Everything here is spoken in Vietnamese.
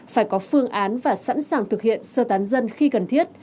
phải có phương án và sẵn sàng thực hiện sơ tán dân khi cần thiết